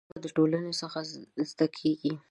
ژبه له ټولنې څخه زده کېږي.